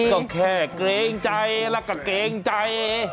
ก็แค่เกรงใจแล้วก็เกรงใจ